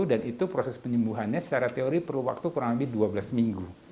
itu proses penyembuhannya secara teori perlu waktu kurang lebih dua belas minggu